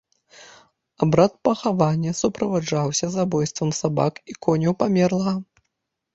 Абрад пахавання суправаджаўся забойствам сабак і коняў памерлага.